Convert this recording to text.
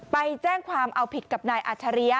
ไปแจ้งความเอาผิดกับนายอัชริยะ